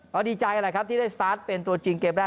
ก็ดีใจแหละครับที่ได้สตาร์ทเป็นตัวจริงเกมแรก